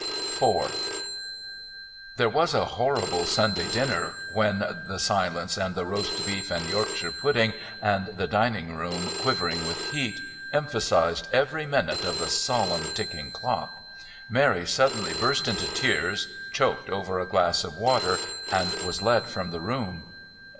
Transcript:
IV There was a horrible Sunday dinner when the silence and the roast beef and Yorkshire pudding, and the dining room quivering with heat, emphasised every minute of the solemn ticking clock Mary suddenly burst into tears, choked over a glass of water, and was led from the room.